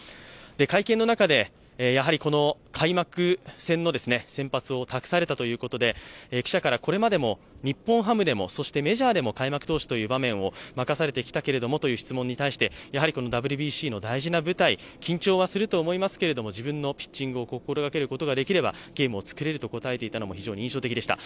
会見の中で、開幕戦の先発を託されたということで、記者からこれまでも日本ハムでもメジャーでも開幕投手という場面を任されてきたけれどもという質問に対して、ＷＢＣでの大事な舞台、緊張はすると思いますけども、自分のピッチングを心がけることができればゲームを作れると答えていたのも非常に印象的でした。